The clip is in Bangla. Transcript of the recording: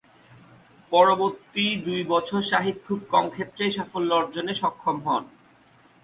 পরবর্তী দুই বছর শাহিদ খুব কম ক্ষেত্রেই সাফল্য অর্জনে সক্ষম হন।